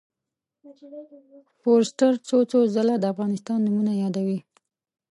فورسټر څو څو ځله د افغانستان نومونه یادوي.